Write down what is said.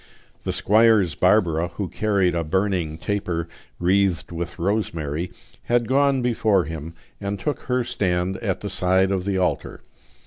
The squire's Barbara, who carried a burning taper wreathed with rosemary, had gone before him and took her stand at the side of the altar.